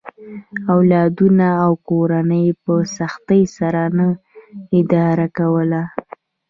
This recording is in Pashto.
اولادونه او کورنۍ یې په سختۍ سره نه اداره کوله.